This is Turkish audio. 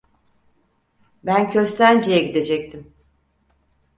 Ben Köstence'ye gidecektim.